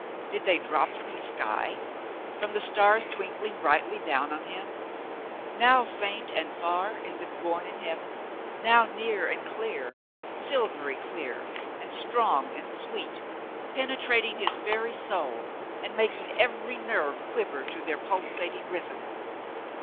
Did they drop from the sky — from the stars twinkling brightly down on him — now faint and far as if born in heaven — now near and clear — silvery clear and strong and sweet — penetrating his very soul and making every nerve quiver to their pulsating rhythm